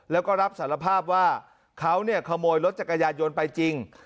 แล้วก็รับสารภาพว่าเขาเนี่ยขโมยรถจักรยานยนต์ไปจริง